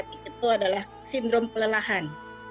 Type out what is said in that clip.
itu adalah sindrom pelelahan